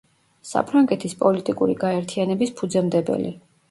საფრანგეთის პოლიტიკური გაერთიანების ფუძემდებელი.